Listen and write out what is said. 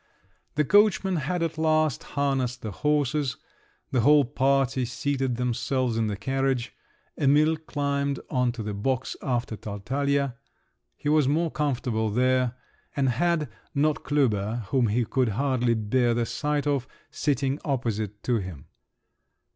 The coachman had at last harnessed the horses; the whole party seated themselves in the carriage. Emil climbed on to the box, after Tartaglia; he was more comfortable there, and had not Klüber, whom he could hardly bear the sight of, sitting opposite to him.